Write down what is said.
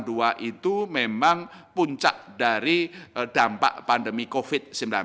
itu memang puncak dari dampak pandemi covid sembilan belas